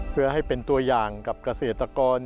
เพื่อให้เป็นตัวอย่างกับเกษตรกร